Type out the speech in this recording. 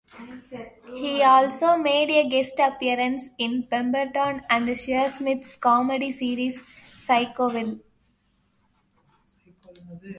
He also made a guest appearance in Pemberton and Shearsmith's comedy series "Psychoville".